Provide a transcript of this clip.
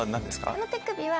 あの手首は。